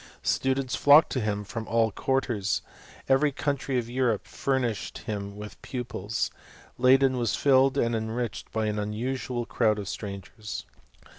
Students flocked to him from all quarters^ — every country of Europe furnished him with pupils ; Leyden was filled and enriched by an unusual crowd of strangers.